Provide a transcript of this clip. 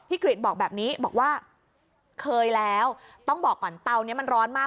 กริจบอกแบบนี้บอกว่าเคยแล้วต้องบอกก่อนเตานี้มันร้อนมาก